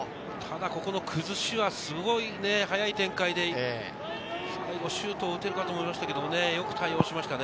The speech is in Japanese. ここの崩しはすごい早い展開で、最後、シュート打てるかと思いましたけど、よく対応しましたね。